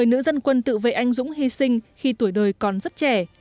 một mươi nữ dân quân tự vệ anh dũng hy sinh khi tuổi đời còn rất trẻ